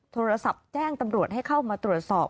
โทรศัพท์แจ้งตำรวจให้เข้ามาตรวจสอบ